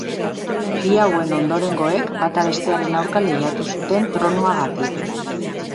Bi hauen ondorengoek, bata bestearen aurka lehiatu zuten tronuagatik.